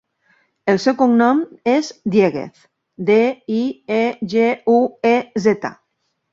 El seu cognom és Dieguez: de, i, e, ge, u, e, zeta.